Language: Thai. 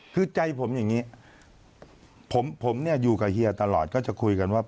คือใจผมอย่างนี้ผมเนี่ยอยู่กับเฮียตลอดก็จะคุยกันว่า